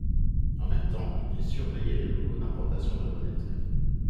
En même temps, ils surveillaient les locaux d’importation de bonneterie.